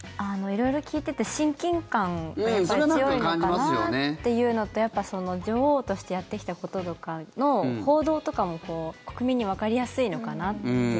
色々聞いてて親近感が強いのかなっていうのとあと、やっぱり女王としてやってきたこととかの報道とかも国民にわかりやすいのかなって。